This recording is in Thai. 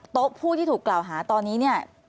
ผู้ที่ถูกกล่าวหาตอนนี้เนี่ย